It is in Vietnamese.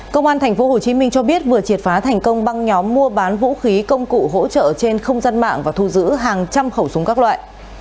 công an tp hcm cho biết vừa triệt phá thành công băng nhóm mua bán vũ khí công cụ hỗ trợ trên không gian mạng và thu giữ hàng trăm khẩu súng các loại